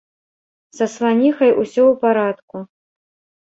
Са сланіхай усё ў парадку.